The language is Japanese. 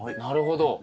なるほど。